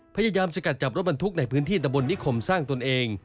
พยายามสกัดจับรถบรรทุกในพื้นที่ตะบนนิคมสร้างตนเอง